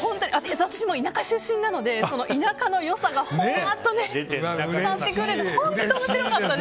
私も田舎出身なので田舎の良さがほわーっと伝わってくるうれしいです。